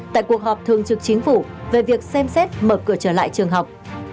tại cuộc họp thường trực chính phủ về việc xem xét mở cửa trở lại trường học